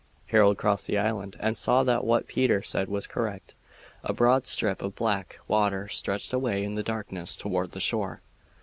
Harold crossed the island and saw that what Peter said was correct. A broad strip of black water stretched away in the darkness toward the shore.